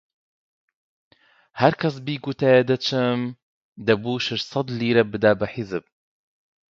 هەر کەس بیگوتایە دەچم، دەبوو شەشسەد لیرە بدا بە حیزب